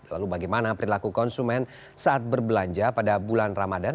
lalu bagaimana perilaku konsumen saat berbelanja pada bulan ramadan